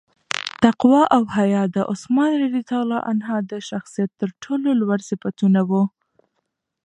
تقوا او حیا د عثمان رض د شخصیت تر ټولو لوړ صفتونه وو.